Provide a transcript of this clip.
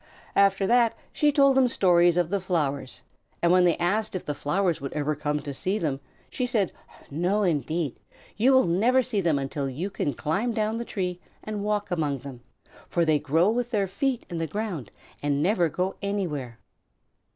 After that she told them stories of the flowers, and when they asked if the flowers would ever come to see them, she said, "No, indeed! You will never see them until you can climb down the tree and walk among them, for they grow with their feet in the ground and never go anywhere."